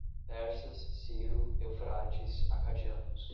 Persas, Ciro, Eufrates, acadianos